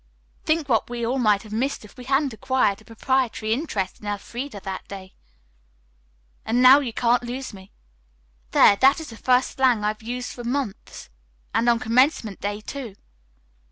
"Think what we all might have missed if we hadn't acquired a proprietary interest in Elfreda that day." "And now you can't lose me. There, that is the first slang I've used for months, and on commencement day, too."